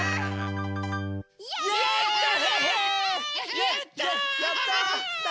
やった！